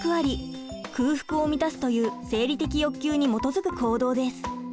空腹を満たすという生理的欲求に基づく行動です。